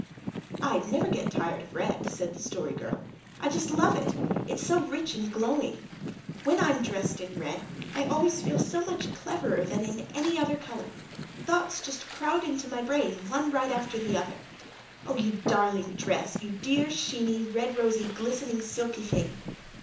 "I'd never get tired of red," said the Story Girl. "I just love it it's so rich and glowing. When I'm dressed in red I always feel ever so much cleverer than in any other colour. Thoughts just crowd into my brain one after the other. Oh, you darling dress you dear, sheeny, red rosy, glistening, silky thing!"